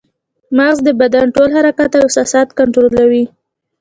مغز د بدن ټول حرکات او احساسات کنټرولوي